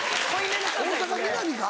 大阪ミナミか？